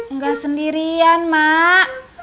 nggak sendirian mak